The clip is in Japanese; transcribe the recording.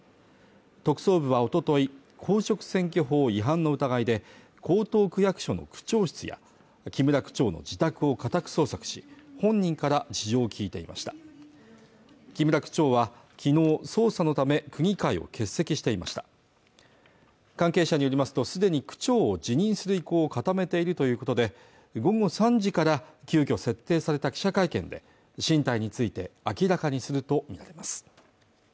特捜部はおととい公職選挙法違反の疑いで江東区役所の区長室や木村区長の自宅を家宅捜索し本人から事情を聞いていました木村区長はきのう捜査のため区議会を欠席していました関係者によりますとすでに区長を辞任する意向を固めているということで午後３時から急きょ設定された記者会見で進退について明らかにするとみられます